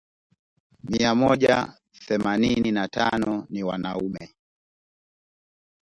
mia moja themanini na tano ni wanaume